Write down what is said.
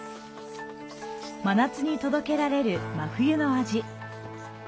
真夏に届けられる真冬の味。